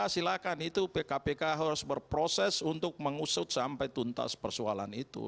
silakan itu kpk harus berproses untuk mengusut sampai tuntas persoalan itu